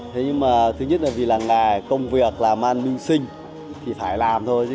thế nhưng mà thứ nhất là vì là nghề công việc làm ăn minh sinh thì phải làm thôi